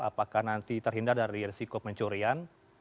apakah nanti terhindar dari risiko pencurian